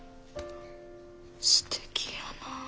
すてきやなあ。